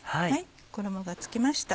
衣が付きました。